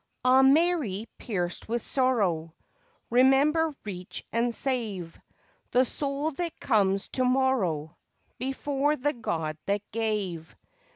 Ah, Mary pierced with sorrow, Remember, reach and save The soul that comes to morrow Before the God that gave!